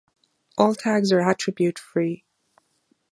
All tags are attribute-free.